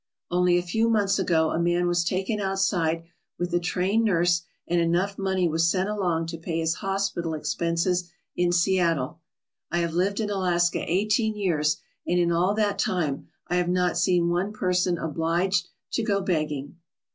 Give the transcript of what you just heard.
Only a few months ago a man was taken outside with a trained nurse and enough money was sent along to pay his hospital expenses in Seattle. I have lived in Alaska eighteen years and in all that time I have not seen one person obliged to go begging.